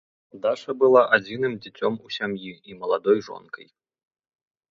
Даша была адзіным дзіцём у сям'і і маладой жонкай.